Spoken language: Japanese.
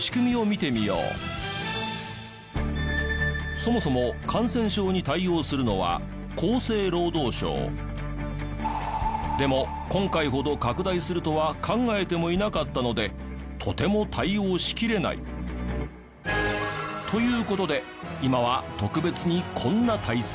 そもそもでも今回ほど拡大するとは考えてもいなかったのでとても対応しきれない。という事で今は特別にこんな体制。